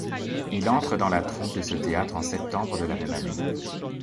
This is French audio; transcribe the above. Il entre dans la troupe de ce théâtre en septembre de la même année.